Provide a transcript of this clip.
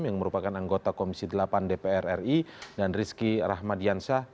yang merupakan anggota komisi delapan dpr ri dan rizky rahmadiansyah